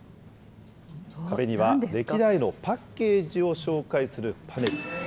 壁には歴代のパッケージを紹介するパネル。